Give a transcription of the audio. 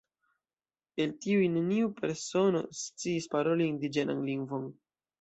El tiuj neniu persono sciis paroli indiĝenan lingvon.